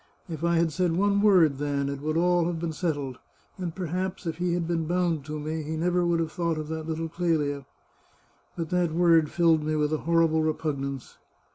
If I had said one word then, it would all have been settled ; and perhaps, if he had been bound to me, he never would have thought of that little Clelia. But that word filled me with a horrible repugnance.